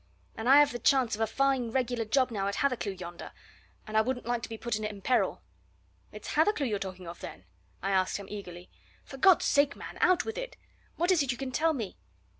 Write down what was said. And I have the chance of a fine, regular job now at Hathercleugh yonder, and I wouldn't like to be putting it in peril." "It's Hathercleugh you're talking of, then?" I asked him eagerly. "For God's sake, man, out with it! What is it you can tell me?"